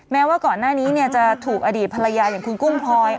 แม้ว่าก่อนหน้านี้จะถูกอดีตภรรยาอย่างคุณกุ้งพลอย